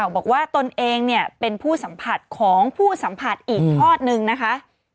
ตนเองเป็นผู้สัมผัสของผู้สัมผัสอีกทอดนึงนะคะ